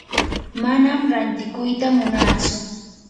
manam rantikuyta munatsu.